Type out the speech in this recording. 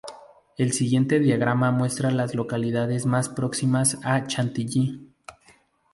El siguiente diagrama muestra a las localidades más próximas a Chantilly.